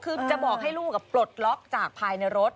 คือจะบอกให้ลูกปลดล็อกจากภายในรถ